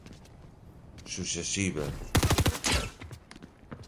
sucessível